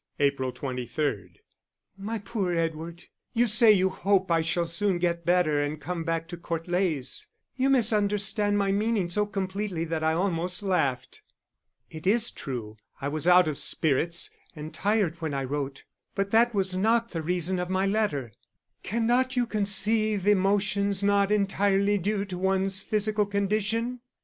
April 23._ _My poor Edward, You say you hope I shall soon get better and come back to Court Leys. You misunderstand my meaning so completely that I almost laughed. It is true I was out of spirits and tired when I wrote but that was not the reason of my letter. Cannot you conceive emotions not entirely due to one's physical condition?